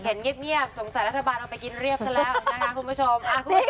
เห็นเงียบสงสัยรัฐบาลเอาไปกินเรียบซะแล้วนะคะคุณผู้ชม